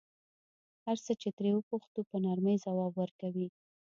هر څه چې ترې وپوښتو په نرمۍ ځواب ورکوي.